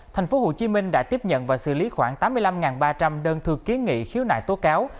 tp hcm đã tiếp nhận và xử lý khoảng tám mươi năm ba trăm linh đơn thư ký nghị khiếu nại tố cáo